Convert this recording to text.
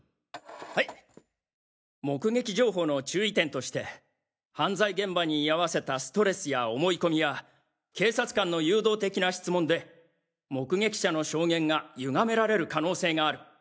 はい目撃情報の注意点として犯罪現場に居合わせたストレスや思い込みや警察官の誘導的な質問で目撃者の証言がゆがめられる可能性がある。